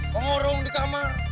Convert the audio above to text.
mau ngurung di kamar